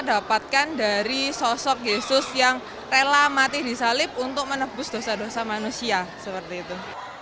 dapatkan dari sosok yesus yang rela mati di salib untuk menebus dosa dosa manusia seperti itu